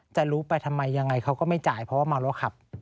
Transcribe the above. จะรู้ไปทำไมยังไงเขาก็ไม่จ่ายเพราะว่าเมาแล้วขับ